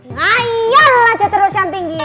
ngayau lah ceturus yang tinggi